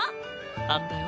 あったよ。